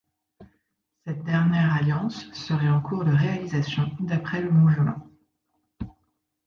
Cette dernière alliance serait en cours de réalisation d'après le mouvement.